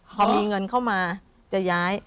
พอมีเงินเข้ามาจะย้าย